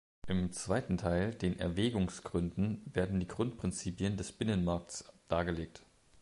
Im zweiten Teil, den Erwägungsgründen, werden die Grundprinzipien des Binnenmarktes dargelegt.